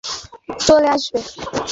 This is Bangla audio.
কৌশলী দলেরা এখনই এখানে চলে আসবে।